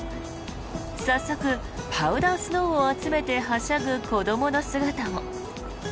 早速、パウダースノーを集めてはしゃぐ子どもの姿も。